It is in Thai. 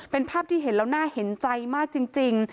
เป็นภาพที่เห็นแล้วน่าเห็นใจมากจริง